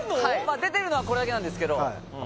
出てるのはこれだけなんですけどま